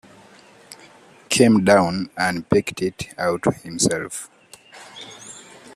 Came down and picked it out himself.